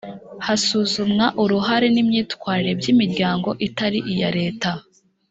hasuzumwa uruhare n imyitwarire by imiryango itari iya leta